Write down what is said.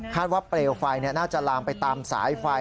ว่าเปลวไฟน่าจะลามไปตามสายไฟ